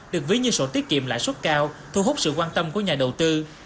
được ví như sổ tiết kiệm lãi suất cao thu hút sự quan tâm của nhà đầu tư